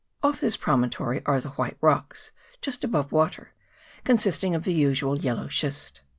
Off this pro montory are the White Rocks, just above water, consisting of the usual yellow schist.